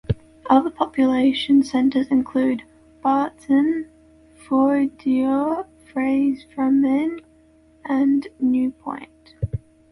Other population centers include: Barzin, Froidlieu, Fays-Famenne, and Neupont.